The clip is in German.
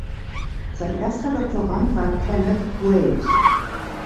Sein erster Doktorand war Kenneth Wade.